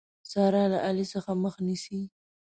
سارا له علي څخه مخ نيسي.